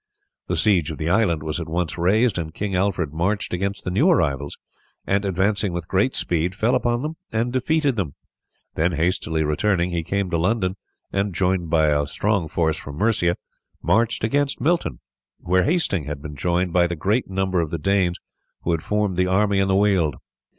The siege of the island was at once raised, and King Alfred marched against the new arrivals, and advancing with great speed fell upon them and defeated them. Then hastily returning he came to London and, joined by a strong force from Mercia, marched against Milton, where Hasting had been joined by the great number of the Danes who had formed the army in the Weald.